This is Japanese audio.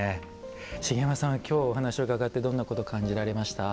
茂山さんは今日お話を伺ってどんなことを感じられました？